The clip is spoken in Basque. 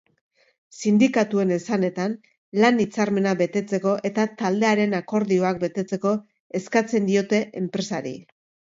Sindikatuen esanetan, lan-hitzarmena betetzeko eta taldearen akordioak betetzeko eskatzen diote enpresari.